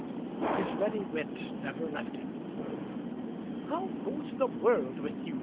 '" His ready wit never left him. "How goes the world with you?"